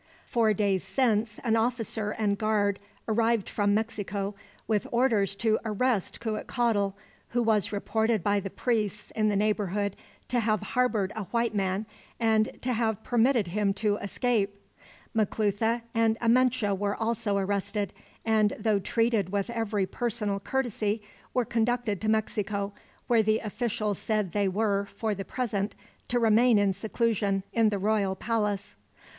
Four days since, an officer and guard arrived from Mexico, with orders to arrest Cuitcatl, who was reported by the priests in the neighborhood to have harbored a white man, and to have permitted him to escape. Maclutha and Amenche were also arrested, and though treated with every personal courtesy, were conducted to Mexico, where the official said they were, for the present, to remain in seclusion, in the royal palace."